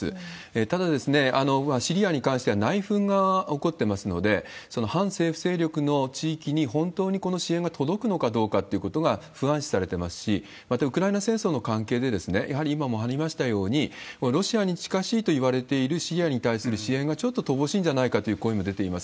ただ、シリアに関しては内紛が起こってますので、その反政府勢力の地域に本当にこの支援が届くのかどうかってことが不安視されてますし、また、ウクライナ戦争の関係で、やはり今もありましたように、ロシアに近しいといわれているシリアに対する支援がちょっと乏しいんじゃないかという声も出ています。